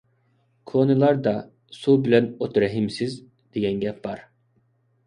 كونىلاردا: «سۇ بىلەن ئوت رەھىمسىز» دېگەن گەپ بار.